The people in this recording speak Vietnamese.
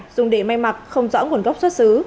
dùng để may mặc không rõ nguồn gốc soát xứ